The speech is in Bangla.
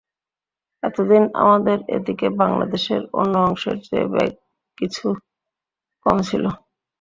এতদিন আমাদের এ দিকে বাংলাদেশের অন্য অংশের চেয়ে বেগ কিছু কম ছিল।